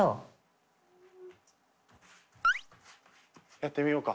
やってみようか。